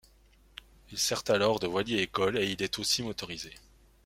Il sert alors de voilier-école et il est aussi motorisé.